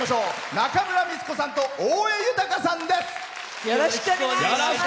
中村美律子さんと大江裕さんです。